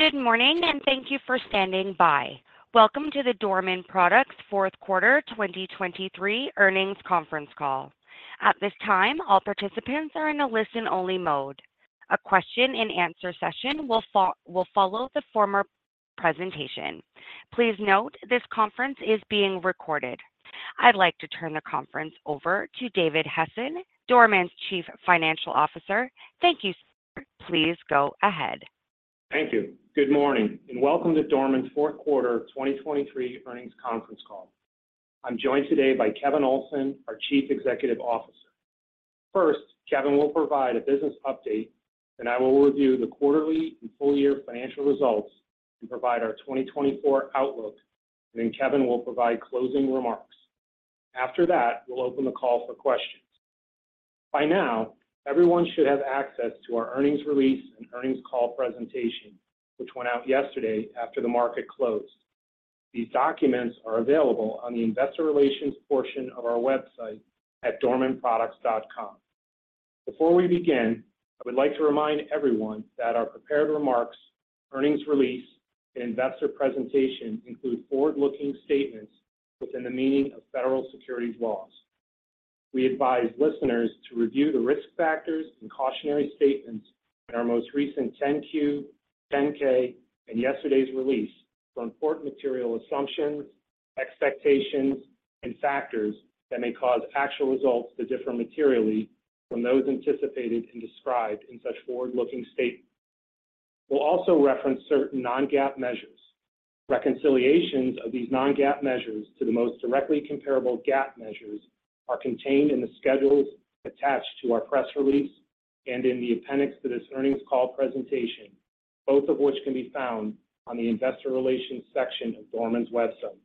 Good morning, and thank you for standing by. Welcome to the Dorman Products Fourth Quarter 2023 Earnings Conference Call. At this time, all participants are in a listen-only mode. A question-and-answer session will follow the formal presentation. Please note, this conference is being recorded. I'd like to turn the conference over to David Hession, Dorman's Chief Financial Officer. Thank you, sir. Please go ahead. Thank you. Good morning, and welcome to Dorman's Fourth Quarter 2023 Earnings Conference Call. I'm joined today by Kevin Olsen, our Chief Executive Officer. First, Kevin will provide a business update, then I will review the quarterly and full-year financial results and provide our 2024 outlook, and then Kevin will provide closing remarks. After that, we'll open the call for questions. By now, everyone should have access to our earnings release and earnings call presentation, which went out yesterday after the market closed. These documents are available on the investor relations portion of our website at dormanproducts.com. Before we begin, I would like to remind everyone that our prepared remarks, earnings release, and investor presentation include forward-looking statements within the meaning of federal securities laws. We advise listeners to review the risk factors and cautionary statements in our most recent 10-Q, 10-K, and yesterday's release for important material assumptions, expectations, and factors that may cause actual results to differ materially from those anticipated and described in such forward-looking statements. We'll also reference certain non-GAAP measures. Reconciliations of these non-GAAP measures to the most directly comparable GAAP measures are contained in the schedules attached to our press release and in the appendix to this earnings call presentation, both of which can be found on the investor relations section of Dorman's website.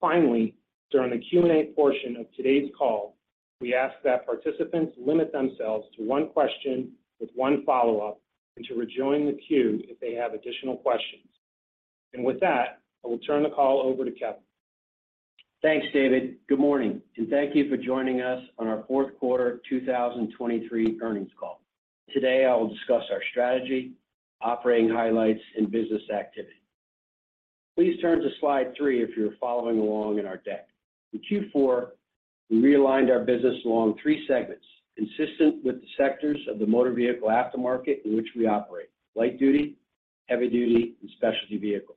Finally, during the Q&A portion of today's call, we ask that participants limit themselves to one question with one follow-up, and to rejoin the queue if they have additional questions. And with that, I will turn the call over to Kevin. Thanks, David. Good morning, and thank you for joining us on our fourth quarter 2023 earnings call. Today, I will discuss our strategy, operating highlights, and business activity. Please turn to Slide 3 if you're following along in our deck. In Q4, we realigned our business along three segments, consistent with the sectors of the motor vehicle aftermarket in which we operate: light duty, heavy duty, and specialty vehicle.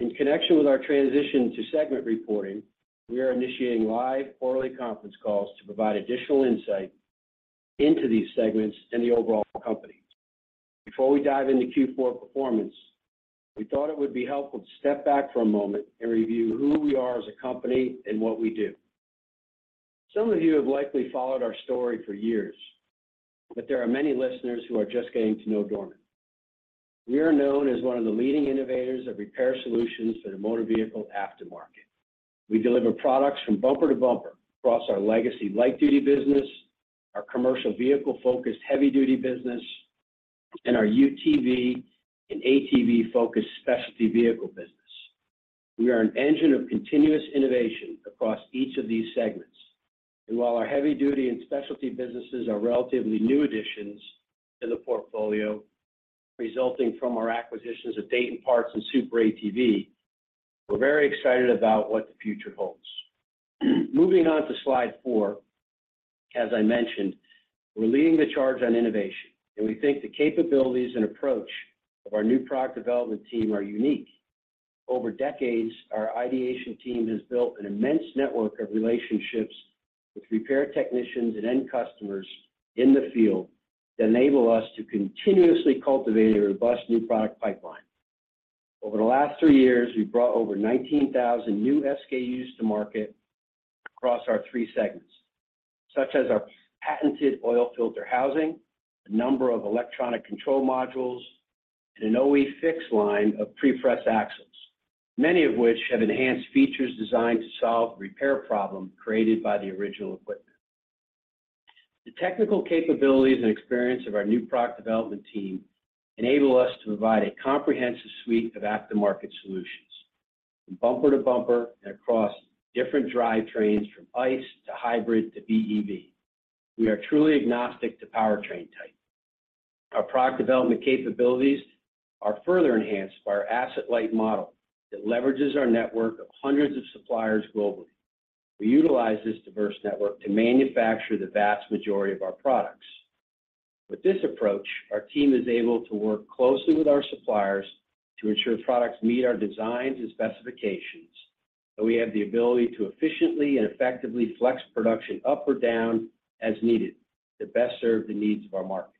In connection with our transition to segment reporting, we are initiating live quarterly conference calls to provide additional insight into these segments and the overall company. Before we dive into Q4 performance, we thought it would be helpful to step back for a moment and review who we are as a company and what we do. Some of you have likely followed our story for years, but there are many listeners who are just getting to know Dorman. We are known as one of the leading innovators of repair solutions for the motor vehicle aftermarket. We deliver products from bumper to bumper across our legacy light-duty business, our commercial vehicle-focused heavy-duty business, and our UTV and ATV-focused specialty vehicle business. We are an engine of continuous innovation across each of these segments, and while our heavy duty and specialty businesses are relatively new additions to the portfolio, resulting from our acquisitions of Dayton Parts and SuperATV, we're very excited about what the future holds. Moving on to Slide 4, as I mentioned, we're leading the charge on innovation, and we think the capabilities and approach of our new product development team are unique. Over decades, our ideation team has built an immense network of relationships with repair technicians and end customers in the field that enable us to continuously cultivate a robust new product pipeline. Over the last three years, we've brought over 19,000 new SKUs to market across our three segments, such as our patented oil filter housing, a number of electronic control modules, and an OE FIX line of pre-pressed axles, many of which have enhanced features designed to solve repair problems created by the original equipment. The technical capabilities and experience of our new product development team enable us to provide a comprehensive suite of aftermarket solutions from bumper to bumper and across different drivetrains, from ICE to hybrid to BEV. We are truly agnostic to powertrain type. Our product development capabilities are further enhanced by our asset-light model that leverages our network of hundreds of suppliers globally. We utilize this diverse network to manufacture the vast majority of our products. With this approach, our team is able to work closely with our suppliers to ensure products meet our designs and specifications, and we have the ability to efficiently and effectively flex production up or down as needed to best serve the needs of our markets.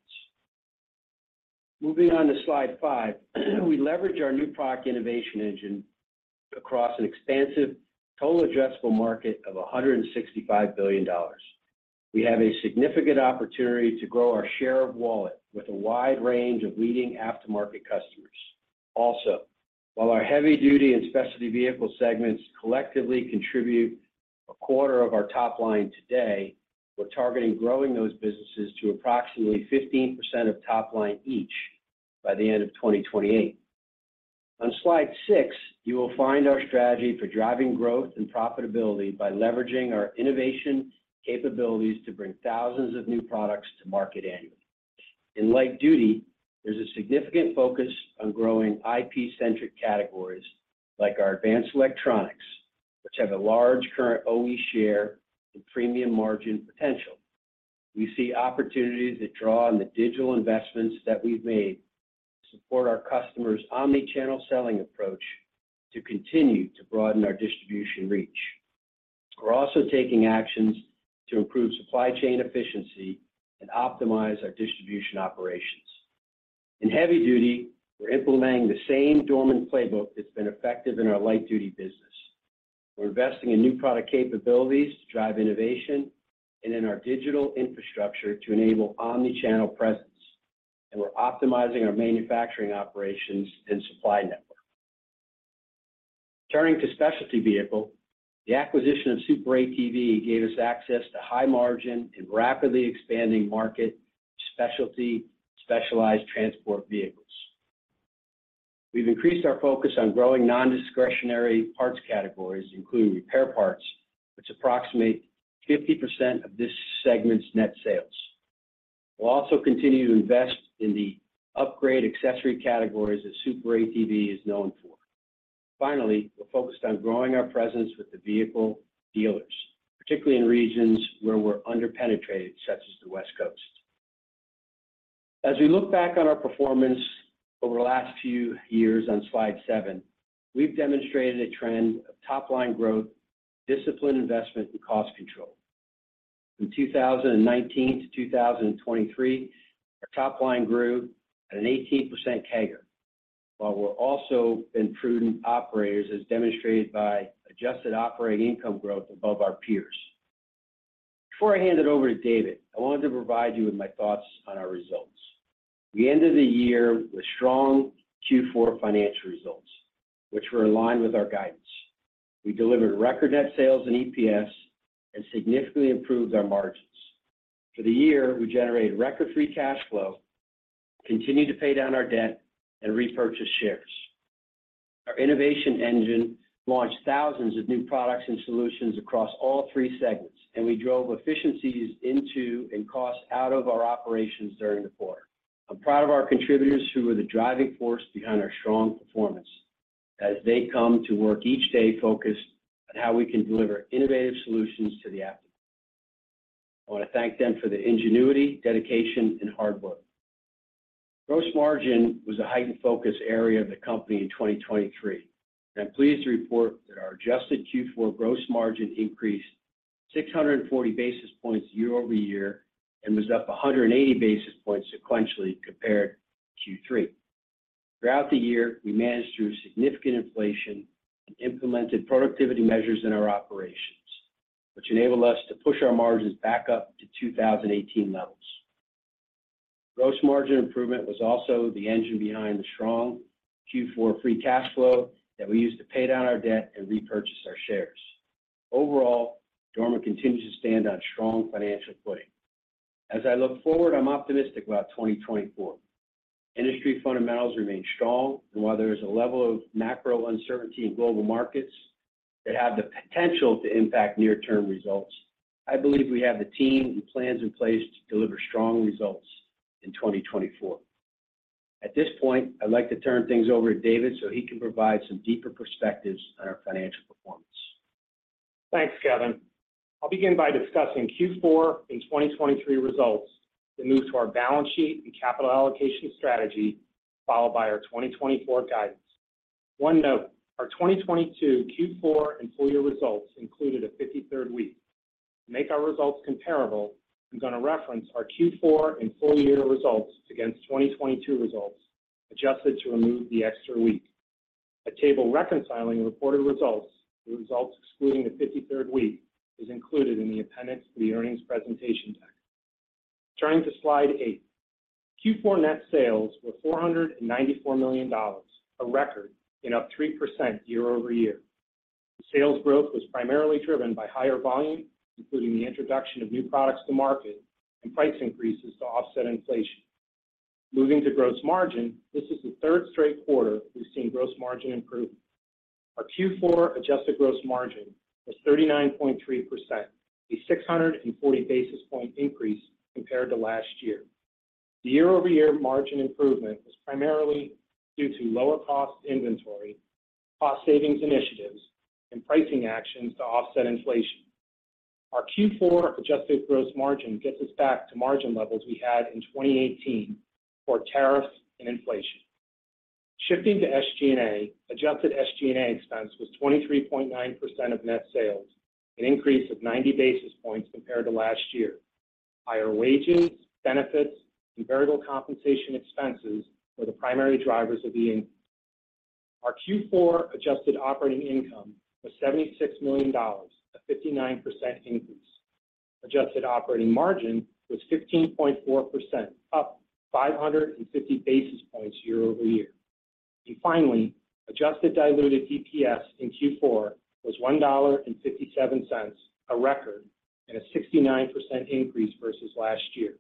Moving on to Slide 5. We leverage our new product innovation engine across an expansive total addressable market of $165 billion. We have a significant opportunity to grow our share of wallet with a wide range of leading aftermarket customers. Also, while our heavy-duty and specialty vehicle segments collectively contribute a quarter of our top line today, we're targeting growing those businesses to approximately 15% of top line each by the end of 2028. On Slide 6, you will find our strategy for driving growth and profitability by leveraging our innovation capabilities to bring thousands of new products to market annually. In light-duty, there's a significant focus on growing IP-centric categories like our advanced electronics, which have a large current OE share and premium margin potential. We see opportunities that draw on the digital investments that we've made to support our customers' omni-channel selling approach to continue to broaden our distribution reach. We're also taking actions to improve supply chain efficiency and optimize our distribution operations. In heavy-duty, we're implementing the same Dorman playbook that's been effective in our light-duty business. We're investing in new product capabilities to drive innovation and in our digital infrastructure to enable omni-channel presence, and we're optimizing our manufacturing operations and supply network. Turning to specialty vehicle, the acquisition of SuperATV gave us access to high-margin and rapidly expanding market, specialty, specialized transport vehicles. We've increased our focus on growing non-discretionary parts categories, including repair parts, which approximate 50% of this segment's net sales. We'll also continue to invest in the upgrade accessory categories that SuperATV is known for. Finally, we're focused on growing our presence with the vehicle dealers, particularly in regions where we're under-penetrated, such as the West Coast. As we look back on our performance over the last few years on slide 7, we've demonstrated a trend of top-line growth, disciplined investment, and cost control. From 2019 to 2023, our top line grew at an 18% CAGR, while we're also been prudent operators, as demonstrated by adjusted operating income growth above our peers. Before I hand it over to David, I wanted to provide you with my thoughts on our results. We ended the year with strong Q4 financial results, which were aligned with our guidance. We delivered record net sales and EPS and significantly improved our margins. For the year, we generated record free cash flow, continued to pay down our debt, and repurchase shares. Our innovation engine launched thousands of new products and solutions across all three segments, and we drove efficiencies into and cost out of our operations during the quarter. I'm proud of our contributors, who are the driving force behind our strong performance as they come to work each day focused on how we can deliver innovative solutions to the aftermarket. I want to thank them for their ingenuity, dedication, and hard work. Gross margin was a heightened focus area of the company in 2023. I'm pleased to report that our adjusted Q4 gross margin increased 640 basis points year-over-year and was up 180 basis points sequentially compared to Q3. Throughout the year, we managed through significant inflation and implemented productivity measures in our operations, which enabled us to push our margins back up to 2018 levels. Gross margin improvement was also the engine behind the strong Q4 free cash flow that we used to pay down our debt and repurchase our shares. Overall, Dorman continues to stand on strong financial footing. As I look forward, I'm optimistic about 2024. Industry fundamentals remain strong, and while there is a level of macro uncertainty in global markets that have the potential to impact near-term results, I believe we have the team and plans in place to deliver strong results in 2024. At this point, I'd like to turn things over to David so he can provide some deeper perspectives on our financial performance. Thanks, Kevin. I'll begin by discussing Q4 and 2023 results, then move to our balance sheet and capital allocation strategy, followed by our 2024 guidance. One note, our 2022 Q4 and full year results included a 53rd week. To make our results comparable, I'm gonna reference our Q4 and full year results against 2022 results, adjusted to remove the extra week. A table reconciling the reported results, the results excluding the 53rd week, is included in the appendix for the earnings presentation deck. Turning to slide 8. Q4 net sales were $494 million, a record and up 3% year-over-year. Sales growth was primarily driven by higher volume, including the introduction of new products to market and price increases to offset inflation. Moving to gross margin, this is the third straight quarter we've seen gross margin improvement. Our Q4 adjusted gross margin was 39.3%, a 640 basis point increase compared to last year. The year-over-year margin improvement was primarily due to lower cost inventory, cost savings initiatives, and pricing actions to offset inflation. Our Q4 adjusted gross margin gets us back to margin levels we had in 2018 before tariffs and inflation. Shifting to SG&A, adjusted SG&A expense was 23.9% of net sales, an increase of 90 basis points compared to last year. Higher wages, benefits, and variable compensation expenses were the primary drivers of the increase. Our Q4 adjusted operating income was $76 million, a 59% increase. Adjusted operating margin was 15.4%, up 550 basis points year-over-year. Finally, adjusted diluted EPS in Q4 was $1.57, a record and a 69% increase versus last year.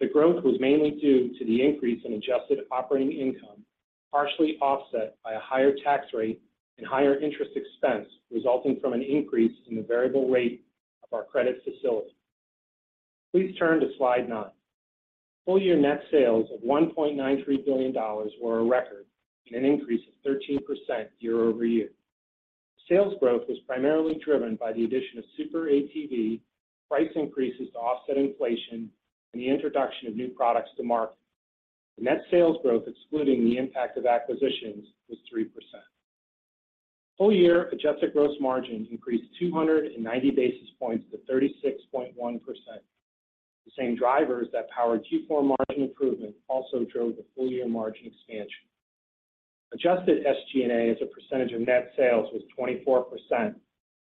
The growth was mainly due to the increase in adjusted operating income, partially offset by a higher tax rate and higher interest expense, resulting from an increase in the variable rate of our credit facility. Please turn to slide 9. Full year net sales of $1.93 billion were a record and an increase of 13% year-over-year. Sales growth was primarily driven by the addition of SuperATV, price increases to offset inflation, and the introduction of new products to market. Net sales growth, excluding the impact of acquisitions, was 3%. Full year adjusted gross margin increased 200 basis points to 36.1%. The same drivers that powered Q4 margin improvement also drove the full-year margin expansion. Adjusted SG&A as a percentage of net sales was 24%,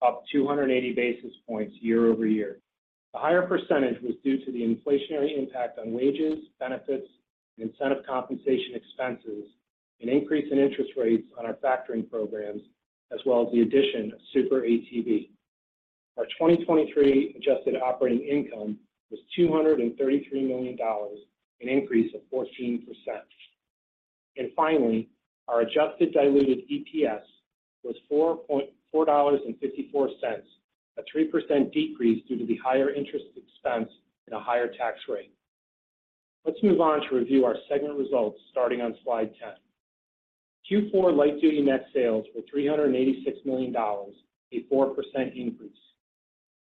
up 280 basis points year-over-year. The higher percentage was due to the inflationary impact on wages, benefits, and incentive compensation expenses, an increase in interest rates on our factoring programs, as well as the addition of SuperATV. Our 2023 adjusted operating income was $233 million, an increase of 14%. Finally, our adjusted diluted EPS was $4.54, a 3% decrease due to the higher interest expense and a higher tax rate. Let's move on to review our segment results, starting on slide 10. Q4 light-duty net sales were $386 million, a 4% increase.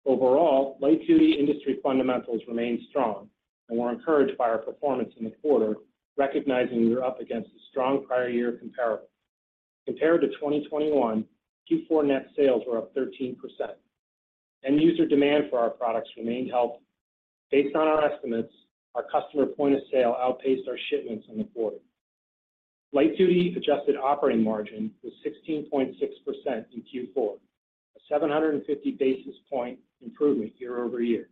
Overall, light duty industry fundamentals remain strong, and we're encouraged by our performance in the quarter, recognizing we were up against a strong prior year comparable. Compared to 2021, Q4 net sales were up 13%. End user demand for our products remained healthy. Based on our estimates, our customer point of sale outpaced our shipments in the quarter. Light duty adjusted operating margin was 16.6% in Q4, a 750 basis point improvement year-over-year.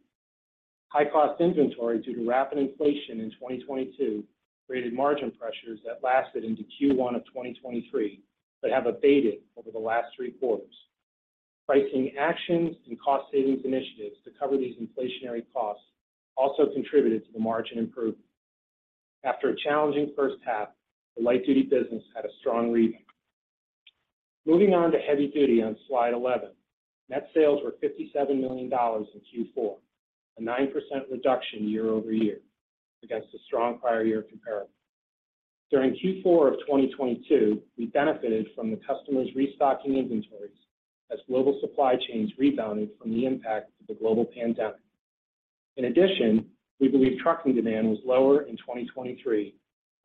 High cost inventory due to rapid inflation in 2022 created margin pressures that lasted into Q1 of 2023, but have abated over the last three quarters. Pricing actions and cost savings initiatives to cover these inflationary costs also contributed to the margin improvement. After a challenging first half, the light duty business had a strong rebound. Moving on to heavy duty on slide 11, net sales were $57 million in Q4, a 9% reduction year-over-year against a strong prior year comparable. During Q4 of 2022, we benefited from the customers restocking inventories as global supply chains rebounded from the impact of the global pandemic. In addition, we believe trucking demand was lower in 2023,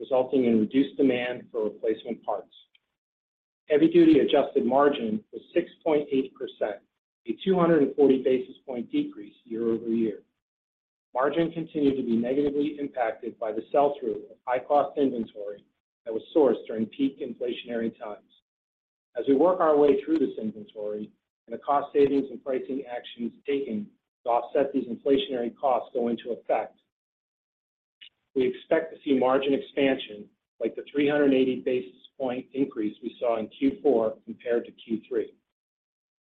resulting in reduced demand for replacement parts. Heavy duty adjusted margin was 6.8%, a 240 basis point decrease year-over-year. Margin continued to be negatively impacted by the sell-through of high-cost inventory that was sourced during peak inflationary times. As we work our way through this inventory and the cost savings and pricing actions taken to offset these inflationary costs go into effect, we expect to see margin expansion like the 380 basis point increase we saw in Q4 compared to Q3.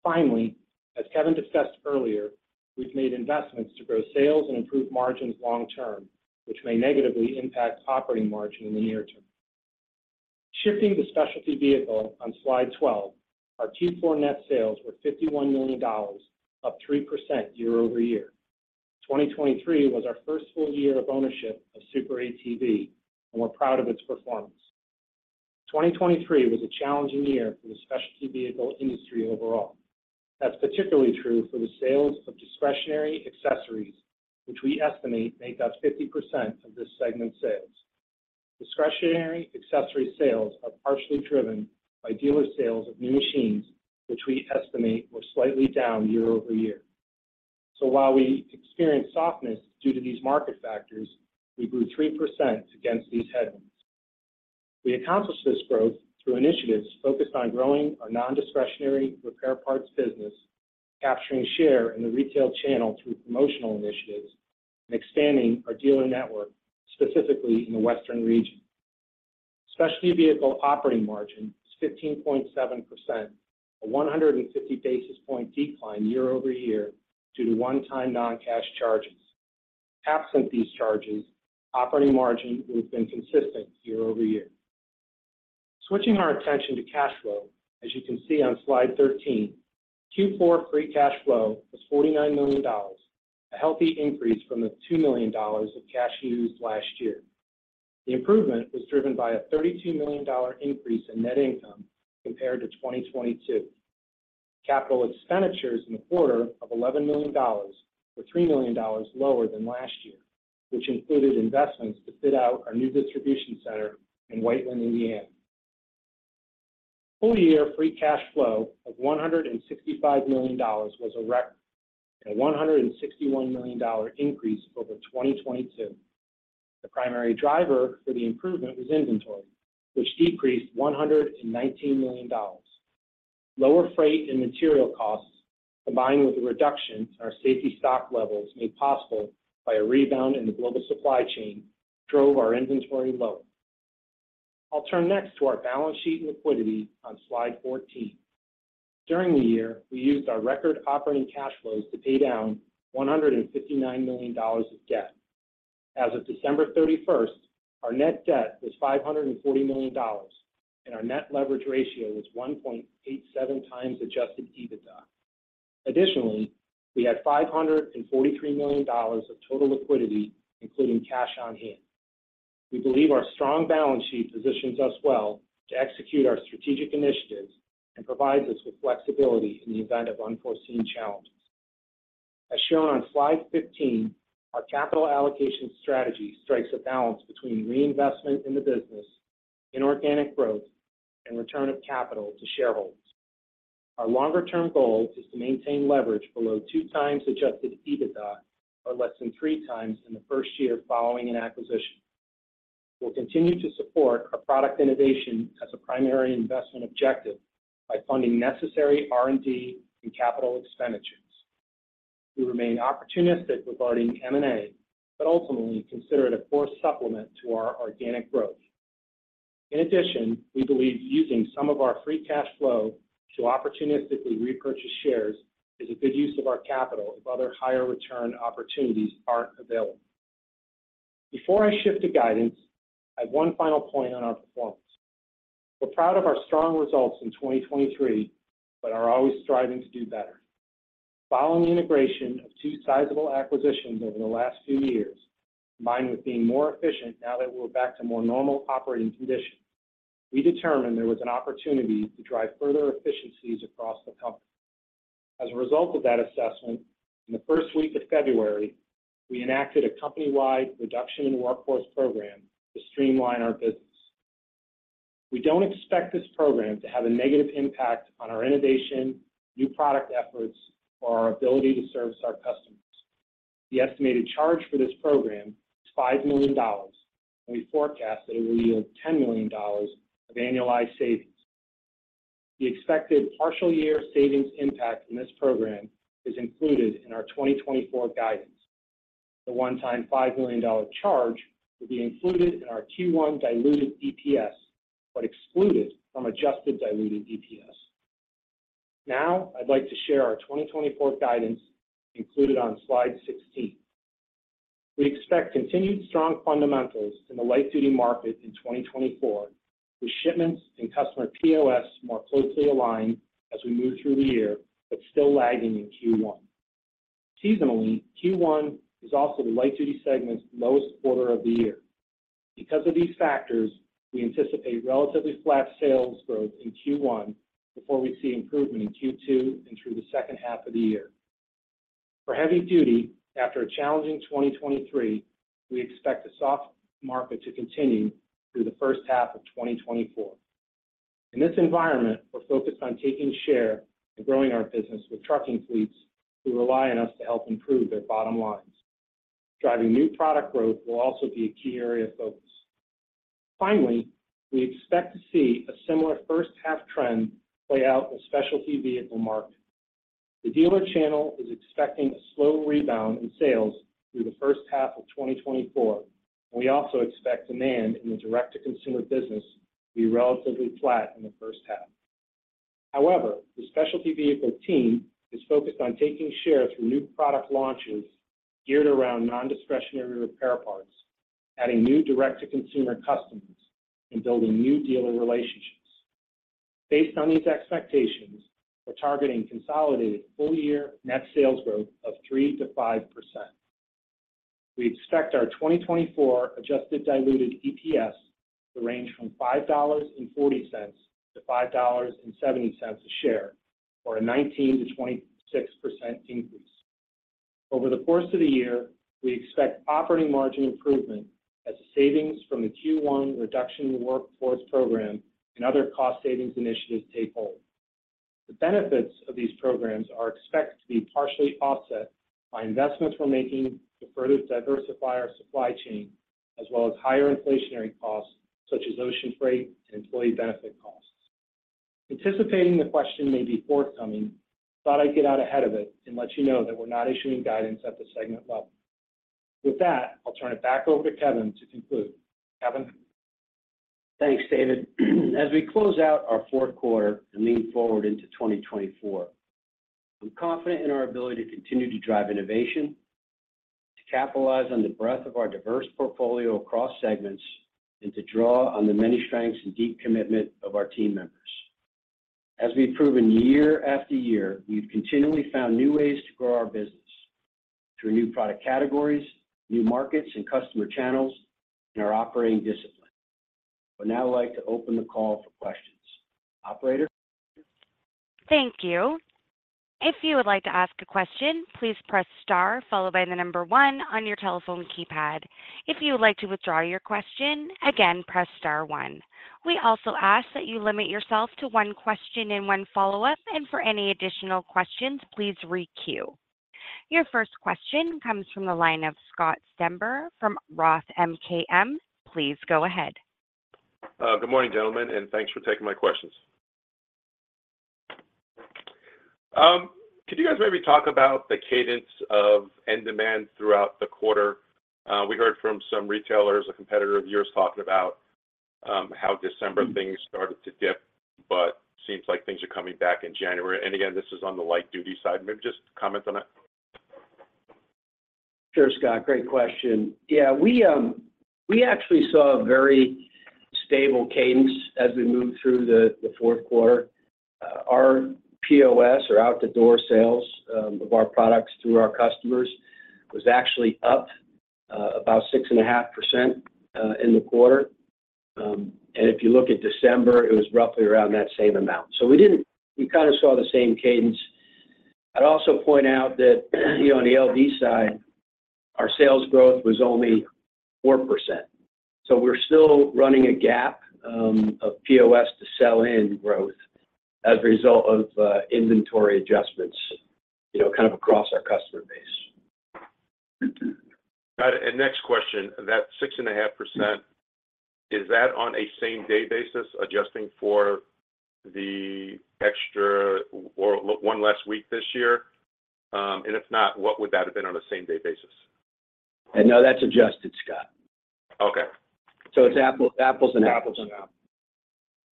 Finally, as Kevin discussed earlier, we've made investments to grow sales and improve margins long term, which may negatively impact operating margin in the near term. Shifting to specialty vehicle on slide 12, our Q4 net sales were $51 million, up 3% year-over-year. 2023 was our first full year of ownership of SuperATV, and we're proud of its performance. 2023 was a challenging year for the specialty vehicle industry overall. That's particularly true for the sales of discretionary accessories, which we estimate make up 50% of this segment's sales. Discretionary accessory sales are partially driven by dealer sales of new machines, which we estimate were slightly down year-over-year. So while we experienced softness due to these market factors, we grew 3% against these headwinds. We accomplished this growth through initiatives focused on growing our non-discretionary repair parts business, capturing share in the retail channel through promotional initiatives, and expanding our dealer network, specifically in the western region. Specialty vehicle operating margin is 15.7%, a 150 basis point decline year-over-year, due to one-time non-cash charges. Absent these charges, operating margin would have been consistent year-over-year. Switching our attention to cash flow, as you can see on slide 13, Q4 free cash flow was $49 million, a healthy increase from the $2 million of cash used last year. The improvement was driven by a $32 million increase in net income compared to 2022. Capital expenditures in the quarter of $11 million were $3 million lower than last year, which included investments to fit out our new distribution center in Whiteland, Indiana. Full year free cash flow of $165 million was a record and a $161 million increase over 2022. The primary driver for the improvement was inventory, which decreased $119 million. Lower freight and material costs, combined with a reduction in our safety stock levels made possible by a rebound in the global supply chain, drove our inventory low. I'll turn next to our balance sheet and liquidity on slide 14. During the year, we used our record operating cash flows to pay down $159 million of debt. As of December 31, our net debt was $540 million, and our net leverage ratio was 1.87 times adjusted EBITDA. Additionally, we had $543 million of total liquidity, including cash on hand. We believe our strong balance sheet positions us well to execute our strategic initiatives and provides us with flexibility in the event of unforeseen challenges. As shown on slide 15, our capital allocation strategy strikes a balance between reinvestment in the business, inorganic growth, and return of capital to shareholders. Our longer-term goal is to maintain leverage below 2 times adjusted EBITDA, or less than 3 times in the first year following an acquisition. We'll continue to support our product innovation as a primary investment objective by funding necessary R&D and capital expenditures. We remain opportunistic regarding M&A, but ultimately consider it a core supplement to our organic growth. In addition, we believe using some of our free cash flow to opportunistically repurchase shares is a good use of our capital if other higher return opportunities aren't available. Before I shift to guidance, I have one final point on our performance. We're proud of our strong results in 2023, but are always striving to do better. Following the integration of two sizable acquisitions over the last two years, combined with being more efficient now that we're back to more normal operating conditions, we determined there was an opportunity to drive further efficiencies across the company. As a result of that assessment, in the first week of February, we enacted a company-wide reduction in workforce program to streamline our business. We don't expect this program to have a negative impact on our innovation, new product efforts, or our ability to service our customers. The estimated charge for this program is $5 million, and we forecast that it will yield $10 million of annualized savings. The expected partial year savings impact from this program is included in our 2024 guidance. The one-time $5 million charge will be included in our Q1 diluted EPS, but excluded from adjusted diluted EPS. Now, I'd like to share our 2024 guidance included on slide 16. We expect continued strong fundamentals in the light-duty market in 2024, with shipments and customer POS more closely aligned as we move through the year, but still lagging in Q1. Seasonally, Q1 is also the light-duty segment's lowest quarter of the year. Because of these factors, we anticipate relatively flat sales growth in Q1 before we see improvement in Q2 and through the second half of the year. For heavy duty, after a challenging 2023, we expect the soft market to continue through the first half of 2024. In this environment, we're focused on taking share and growing our business with trucking fleets, who rely on us to help improve their bottom lines. Driving new product growth will also be a key area of focus. Finally, we expect to see a similar first half trend play out in the specialty vehicle market. The dealer channel is expecting a slow rebound in sales through the first half of 2024, and we also expect demand in the direct-to-consumer business to be relatively flat in the first half. However, the specialty vehicle team is focused on taking shares from new product launches geared around non-discretionary repair parts, adding new direct-to-consumer customers, and building new dealer relationships. Based on these expectations, we're targeting consolidated full-year net sales growth of 3%-5%. We expect our 2024 adjusted diluted EPS to range from $5.40 to $5.70 a share, or a 19%-26% increase. Over the course of the year, we expect operating margin improvement as the savings from the Q1 reduction in the workforce program and other cost savings initiatives take hold. The benefits of these programs are expected to be partially offset by investments we're making to further diversify our supply chain, as well as higher inflationary costs, such as ocean freight and employee benefit costs. Anticipating the question may be forthcoming, I thought I'd get out ahead of it and let you know that we're not issuing guidance at the segment level. With that, I'll turn it back over to Kevin to conclude. Kevin? Thanks, David. As we close out our fourth quarter and lean forward into 2024, I'm confident in our ability to continue to drive innovation, to capitalize on the breadth of our diverse portfolio across segments, and to draw on the many strengths and deep commitment of our team members. As we've proven year after year, we've continually found new ways to grow our business through new product categories, new markets and customer channels, and our operating discipline. I would now like to open the call for questions. Operator? Thank you. If you would like to ask a question, please press star followed by the number one on your telephone keypad. If you would like to withdraw your question, again, press star one. We also ask that you limit yourself to one question and one follow-up, and for any additional questions, please re-queue. Your first question comes from the line of Scott Stember from Roth MKM. Please go ahead. Good morning, gentlemen, and thanks for taking my questions. Could you guys maybe talk about the cadence of end demand throughout the quarter? We heard from some retailers, a competitor of yours, talking about how December things started to dip, but seems like things are coming back in January. And again, this is on the light-duty side. Maybe just comment on it. Sure, Scott. Great question. Yeah, we actually saw a very stable cadence as we moved through the fourth quarter. Our POS or out-the-door sales of our products through our customers was actually up about 6.5% in the quarter. And if you look at December, it was roughly around that same amount. So we didn't. We kind of saw the same cadence. I'd also point out that, you know, on the LD side, our sales growth was only 4%, so we're still running a gap of POS to sell-in growth as a result of inventory adjustments, you know, kind of across our customer base. Got it. Next question, that 6.5%, is that on a same-day basis, adjusting for the extra or one less week this year? And if not, what would that have been on a same-day basis? No, that's adjusted, Scott. Okay. So it's apples to apples. Apples to apples.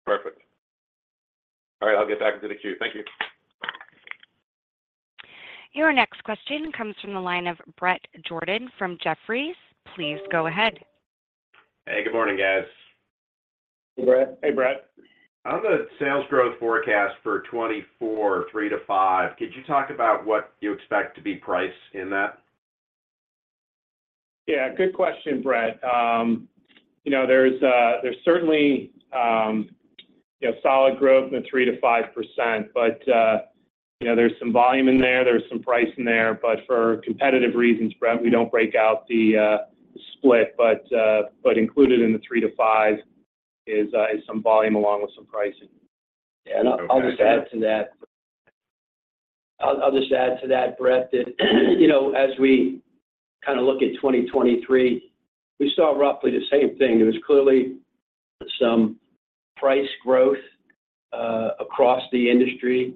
Perfect. All right, I'll get back into the queue. Thank you. Your next question comes from the line of Bret Jordan from Jefferies. Please go ahead. Hey, good morning, guys. Hey, Brett. Hey, Brett. On the sales growth forecast for 2024, 3%-5%, could you talk about what you expect to be pricing in that? Yeah, good question, Brett. You know, there's certainly, you know, solid growth in the 3%-5%, but, you know, there's some volume in there, there's some price in there, but for competitive reasons, Brett, we don't break out the, split. But, but included in the 3%-5% is, is some volume along with some pricing. Okay. I'll just add to that, Brett, that, you know, as we kind of look at 2023, we saw roughly the same thing. There was clearly some price growth across the industry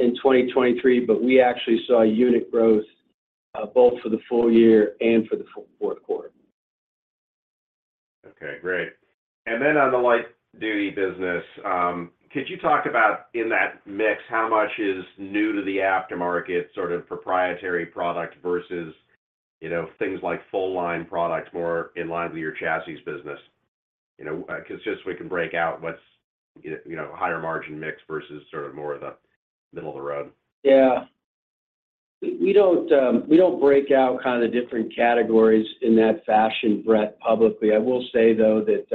in 2023, but we actually saw unit growth both for the full year and for the fourth quarter. Okay, great. And then on the light-duty business, could you talk about, in that mix, how much is new to the aftermarket, sort of proprietary product versus, you know, things like full-line product, more in line with your chassis business? You know, because just so we can break out what's, you know, higher margin mix versus sort of more of the middle of the road. Yeah. We don't, we don't break out kind of the different categories in that fashion, Brett, publicly. I will say, though, that,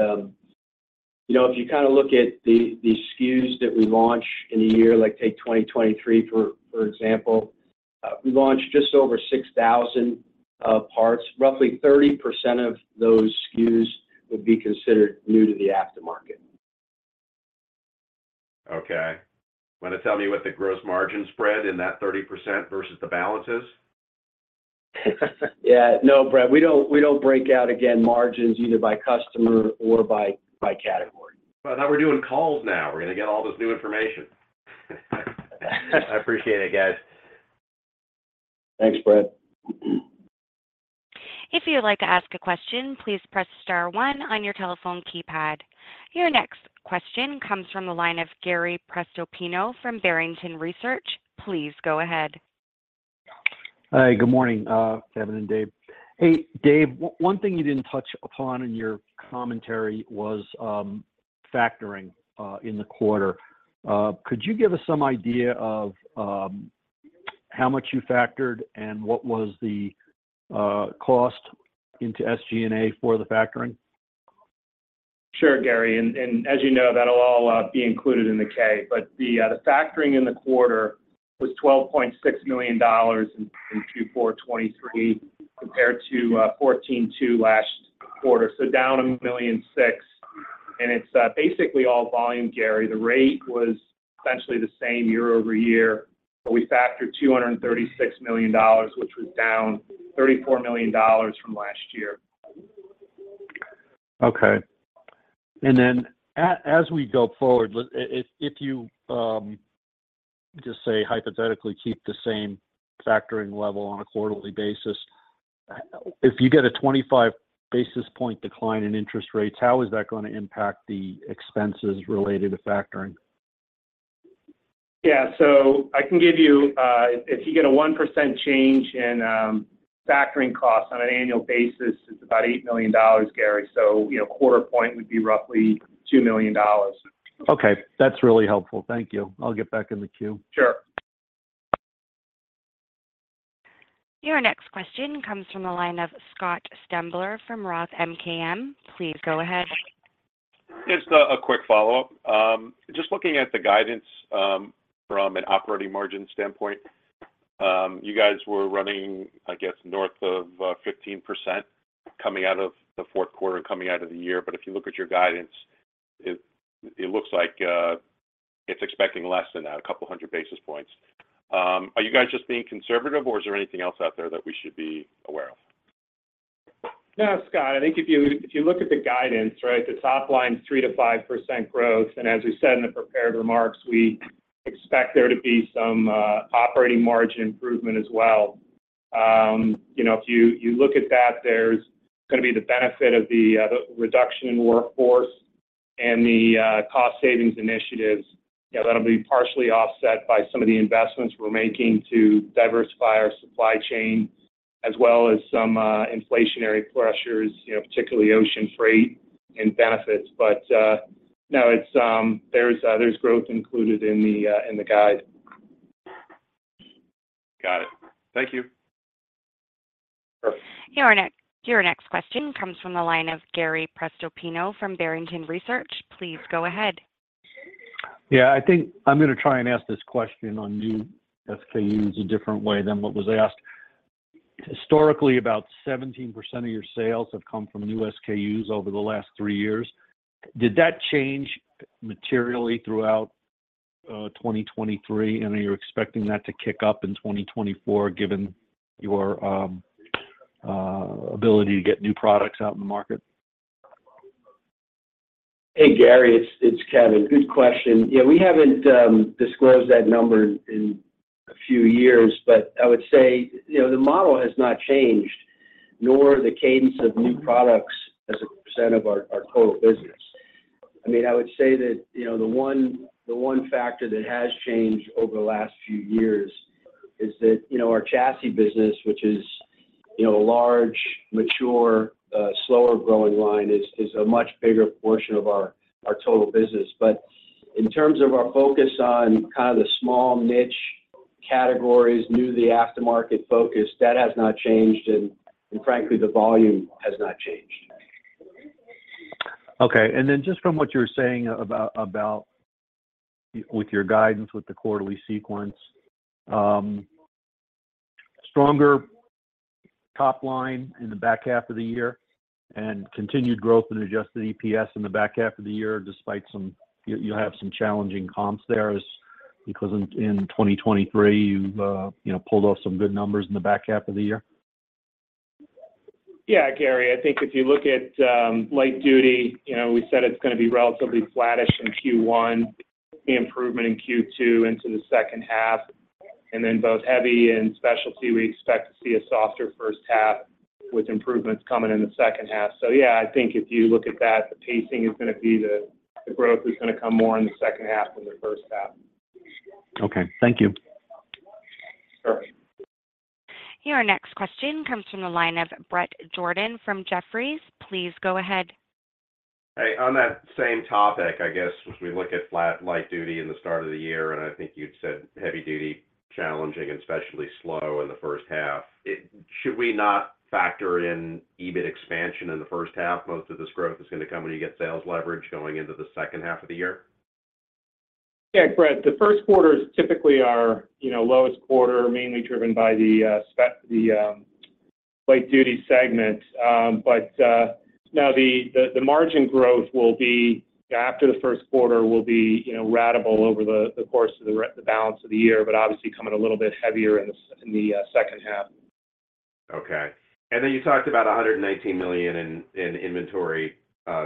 you know, if you kind of look at the SKUs that we launched in a year, like, take 2023, for example, we launched just over 6,000 parts. Roughly 30% of those SKUs would be considered new to the aftermarket. Okay. Want to tell me what the gross margin spread in that 30% versus the balance is? Yeah. No, Brett, we don't, we don't break out gross margins, either by customer or by, by category. I thought we're doing calls now. We're gonna get all this new information. I appreciate it, guys. Thanks, Brett. If you'd like to ask a question, please press star one on your telephone keypad. Your next question comes from the line of Gary Prestopino from Barrington Research. Please go ahead. Hi, good morning, Kevin and Dave. Hey, Dave, one thing you didn't touch upon in your commentary was factoring in the quarter. Could you give us some idea of how much you factored and what was the cost into SG&A for the factoring? Sure, Gary, and as you know, that'll all be included in the K. But the factoring in the quarter was $12.6 million in Q4 2023, compared to $14.2 million last quarter, so down $1.6 million. And it's basically all volume, Gary. The rate was essentially the same year over year, but we factored $236 million, which was down $34 million from last year. Okay. As we go forward, if, if you just say, hypothetically, keep the same factoring level on a quarterly basis, if you get a 25 basis point decline in interest rates, how is that gonna impact the expenses related to factoring? Yeah. So I can give you. If you get a 1% change in factoring costs on an annual basis, it's about $8 million, Gary, so, you know, quarter point would be roughly $2 million. Okay. That's really helpful. Thank you. I'll get back in the queue. Sure. Your next question comes from the line of Scott Stember from Roth MKM. Please go ahead. Just a quick follow-up. Just looking at the guidance, from an operating margin standpoint, you guys were running, I guess, north of 15% coming out of the fourth quarter, coming out of the year. But if you look at your guidance, it looks like it's expecting less than that, a couple hundred basis points. Are you guys just being conservative, or is there anything else out there that we should be aware of?... No, Scott, I think if you, if you look at the guidance, right, the top line is 3%-5% growth, and as we said in the prepared remarks, we expect there to be some operating margin improvement as well. You know, if you look at that, there's gonna be the benefit of the reduction in workforce and the cost savings initiatives. Yeah, that'll be partially offset by some of the investments we're making to diversify our supply chain, as well as some inflationary pressures, you know, particularly ocean freight and benefits. But no, it's, there's growth included in the guide. Got it. Thank you. Sure. Your next question comes from the line of Gary Prestopino from Barrington Research. Please go ahead. Yeah, I think I'm gonna try and ask this question on new SKUs a different way than what was asked. Historically, about 17% of your sales have come from new SKUs over the last three years. Did that change materially throughout 2023? And are you expecting that to kick up in 2024, given your ability to get new products out in the market? Hey, Gary, it's Kevin. Good question. Yeah, we haven't disclosed that number in a few years, but I would say, you know, the model has not changed, nor the cadence of new products as a percent of our total business. I mean, I would say that, you know, the one factor that has changed over the last few years is that, you know, our chassis business, which is, you know, a large, mature, slower growing line, is a much bigger portion of our total business. But in terms of our focus on kind of the small niche categories, new to the aftermarket focus, that has not changed, and frankly, the volume has not changed. Okay. And then just from what you're saying about with your guidance, with the quarterly sequence, stronger top line in the back half of the year and continued growth in adjusted EPS in the back half of the year, despite some... You have some challenging comps there, because in 2023, you've, you know, pulled off some good numbers in the back half of the year? Yeah, Gary, I think if you look at, light duty, you know, we said it's gonna be relatively flattish in Q1, the improvement in Q2 into the second half, and then both heavy and specialty, we expect to see a softer first half, with improvements coming in the second half. So yeah, I think if you look at that, the pacing is gonna be the growth is gonna come more in the second half than the first half. Okay. Thank you. Sure. Your next question comes from the line of Brett Jordan from Jefferies. Please go ahead. Hey, on that same topic, I guess, as we look at flat light duty in the start of the year, and I think you'd said heavy duty, challenging and especially slow in the first half. Should we not factor in EBIT expansion in the first half? Most of this growth is gonna come when you get sales leverage going into the second half of the year. Yeah, Brett, the first quarter is typically our, you know, lowest quarter, mainly driven by the light duty segment. But now the margin growth will be, after the first quarter, you know, ratable over the course of the balance of the year, but obviously, coming a little bit heavier in the second half. Okay. And then you talked about $119 million in inventory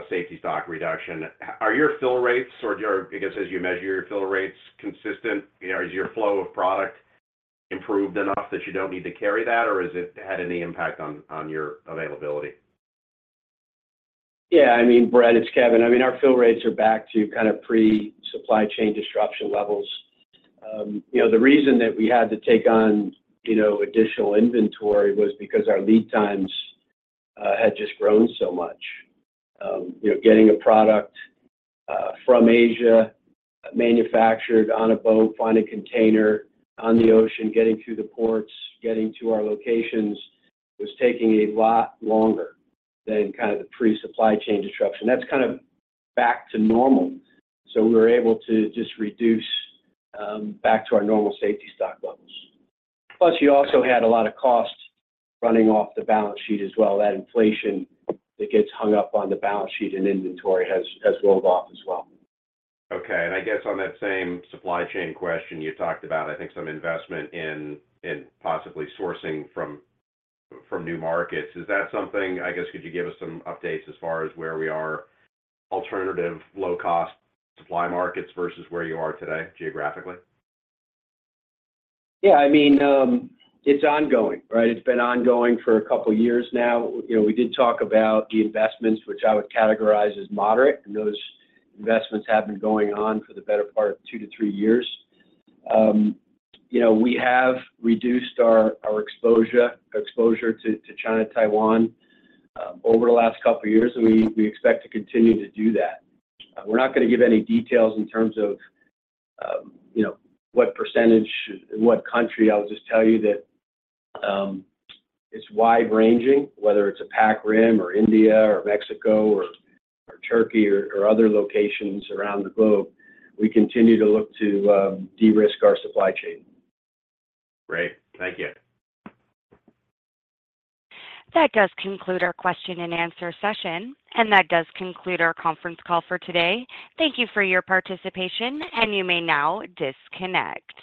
safety stock reduction. Are your fill rates or your, I guess, as you measure your fill rates, consistent? You know, is your flow of product improved enough that you don't need to carry that, or has it had any impact on your availability? Yeah, I mean, Brett, it's Kevin. I mean, our fill rates are back to kind of pre-supply chain disruption levels. You know, the reason that we had to take on, you know, additional inventory was because our lead times had just grown so much. You know, getting a product from Asia, manufactured on a boat, find a container on the ocean, getting through the ports, getting to our locations, was taking a lot longer than kind of the pre-supply chain disruption. That's kind of back to normal, so we were able to just reduce back to our normal safety stock levels. Plus, you also had a lot of costs running off the balance sheet as well. That inflation that gets hung up on the balance sheet and inventory has rolled off as well. Okay. I guess on that same supply chain question, you talked about, I think, some investment in, in possibly sourcing from, from new markets. Is that something, I guess, could you give us some updates as far as where we are, alternative low-cost supply markets versus where you are today geographically? Yeah, I mean, it's ongoing, right? It's been ongoing for a couple of years now. You know, we did talk about the investments, which I would categorize as moderate, and those investments have been going on for the better part of two to three years. You know, we have reduced our exposure to China, Taiwan over the last couple of years, and we expect to continue to do that. We're not gonna give any details in terms of, you know, what percentage, in what country. I'll just tell you that, it's wide-ranging, whether it's a Pac Rim or India or Mexico or Turkey or other locations around the globe. We continue to look to de-risk our supply chain. Great. Thank you. That does conclude our question and answer session, and that does conclude our conference call for today. Thank you for your participation, and you may now disconnect.